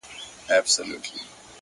بيا به يې خپه اشـــــــــــــنا-